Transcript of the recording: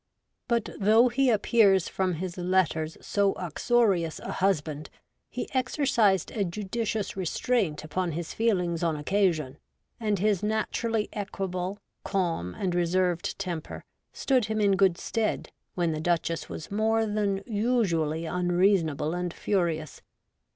But though he appears from his letters so uxorious a husband, he exercised a judicious restraint upon his feelings on occasion, and his naturally equable, calm, and reserved temper stood him in good stead when the Duchess was more than usually unreasonable and furious.